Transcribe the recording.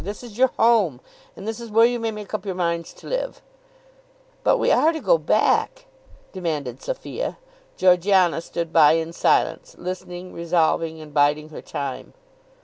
This is your home, and this is where you may make up your minds to live." "But we are to go back?" demanded Sophia. Georgiana stood by in silence, listening, resolving, and biding her time.